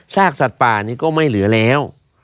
สัตว์ป่านี้ก็ไม่เหลือแล้ว